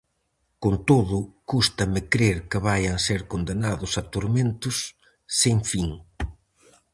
Con todo, cústame crer que vaian ser condenados a tormentos sen fin.